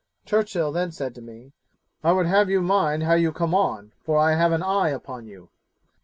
Churchill then said to me, "I would have you mind how you come on, for I have an eye upon you."